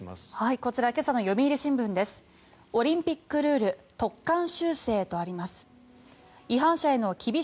こちら今朝の読売新聞です。